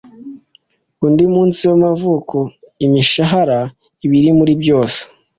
undi munsi w'amavuko - imishahara ibiri muri byose-